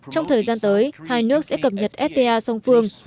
trong thời gian tới hai nước sẽ cập nhật fta song phương